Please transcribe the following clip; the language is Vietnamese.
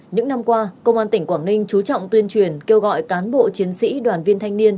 những năm qua công an tỉnh quảng ninh chú trọng tuyên truyền kêu gọi cán bộ chiến sĩ đoàn viên thanh niên